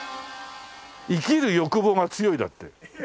「生きる欲望が強い」だって。